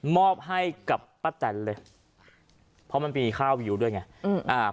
มอบให้กับป้าแตนเลยเพราะมันมีค่าวิวด้วยไงอืมอ่า